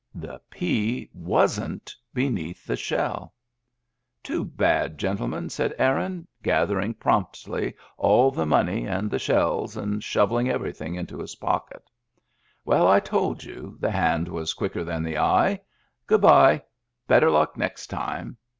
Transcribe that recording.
The pea wasn't beneath the shell I " Too bad, gentlemen," said Aaron, gathering promptly all the money and the shells, and shov ing everything into his pockets. " Well, I told you the hand was quicker than the eye. Good by! Better luck next time!"